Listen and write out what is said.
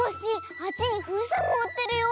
あっちにふうせんもうってるよ。